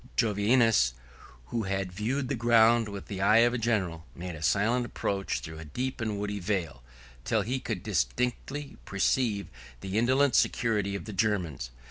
Jovinus, who had viewed the ground with the eye of a general, made a silent approach through a deep and woody vale, till he could distinctly perceive the indolent security of the Germans.